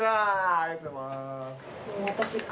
ありがとうございます。